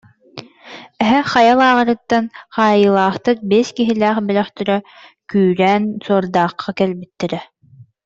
Эһэ Хайа лааҕырыттан хаайыылаахтар биэс киһилээх бөлөхтөрө күрээн Суордаахха кэлбиттэрэ